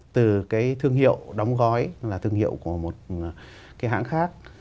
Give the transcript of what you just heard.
từ cái thương hiệu đóng gói là thương hiệu của một cái hãng khác